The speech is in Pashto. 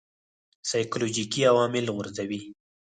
سایکولوژیکي عوامل غورځوي.